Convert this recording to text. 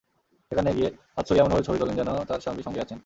সেখানে গিয়ে হাত ছড়িয়ে এমনভাবে ছবি তোলেন যেন তাঁর স্বামী সঙ্গেই আছেন।